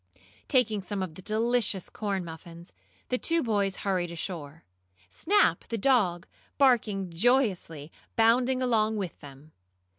Taking some of the delicious corn muffins, the two boys hurried ashore, Snap, the dog, barking joyously, bounding along with them.